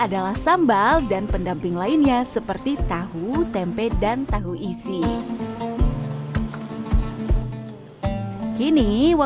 kita tampilin sama itunya sih sama gizinya